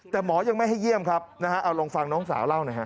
แต่หมอยังไม่ให้เยี่ยมครับนะฮะเอาลองฟังน้องสาวเล่าหน่อยฮะ